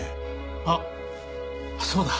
あっそうだ。